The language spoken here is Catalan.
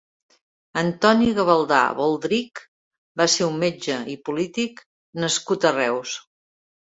Antoni Gavaldà Baldrich va ser un metge i polític nascut a Reus.